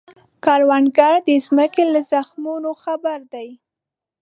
کروندګر د ځمکې له زخمونو خبر دی